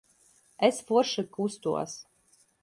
Es forši kustos.